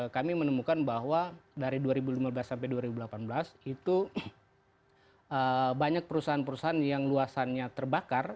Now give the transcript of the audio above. kami menemukan bahwa dari dua ribu lima belas sampai dua ribu delapan belas itu banyak perusahaan perusahaan yang luasannya terbakar